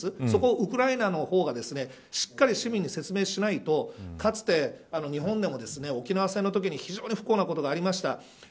そこをウクライナの方がしっかり市民に説明しないとかつて、日本でも沖縄戦のときに非常に不幸なことがありました。